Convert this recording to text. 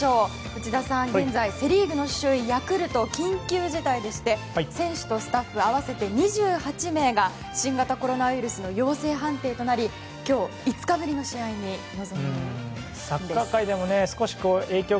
内田さん、現在セ・リーグの首位ヤクルトが緊急事態でして、選手とスタッフ合わせて２８名が新型コロナウイルスの陽性判定となり、今日５日ぶりの試合に臨みました。